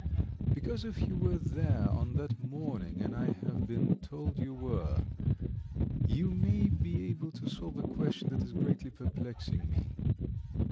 "Because if you were there on that morning and I have been told you were you may be able to solve a question that is greatly perplexing me."